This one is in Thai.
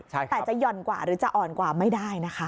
แต่จะห่อนกว่าหรือจะอ่อนกว่าไม่ได้นะคะ